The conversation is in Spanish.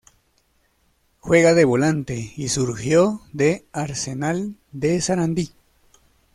Juega de volante y surgió de Arsenal de Sarandí.